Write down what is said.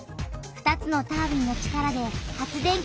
２つのタービンの力で発電機が動き